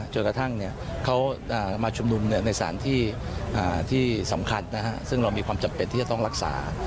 จนกระทั่งเขามาชุมนุมในสารที่สำคัญซึ่งเรามีความจำเป็นที่จะต้องรักษา